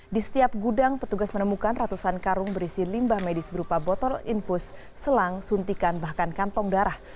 di setiap gudang petugas menemukan ratusan karung berisi limbah medis berupa botol infus selang suntikan bahkan kantong darah